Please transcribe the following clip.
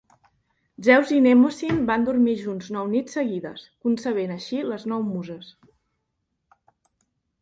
Zeus i Mnemosyne van dormir junts nou nits seguides, concebent així les nou Muses.